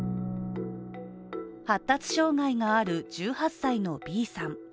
発達障害がある１８歳のＢさん。